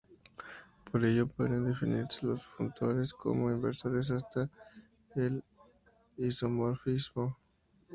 Por ello podrían definirse los funtores como "inversos hasta el isomorfismo".